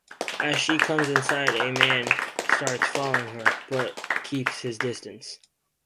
As she comes inside, a man starts following her, but keeps his distance.